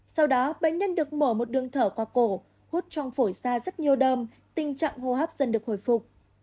sau đó bệnh nhân được mở một đường thở qua cổ hút trong phổi xa rất nhiều đơm tình trạng hô hấp dần được hồi phục